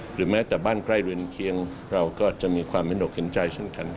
หรือแม้แต่บ้านใกล้เรือนเคียงเราก็จะมีความเห็นอกเห็นใจเช่นกัน